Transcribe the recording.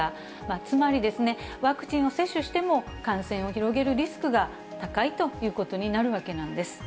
つまりですね、ワクチンを接種しても、感染を広げるリスクが高いということになるわけなんです。